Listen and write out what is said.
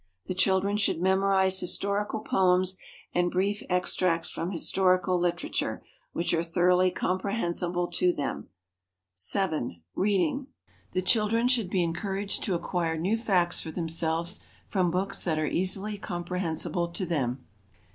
The children should memorize historical poems and brief extracts from historical literature, which are thoroughly comprehensible to them. 7. Reading. The children should be encouraged to acquire new facts for themselves from books that are easily comprehensible to them.